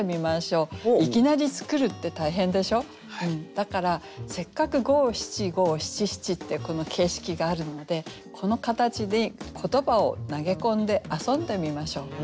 だからせっかく五七五七七ってこの形式があるのでこの形に言葉を投げ込んで遊んでみましょう。